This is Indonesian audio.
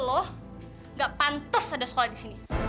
loh nggak pantas ada sekolah di sini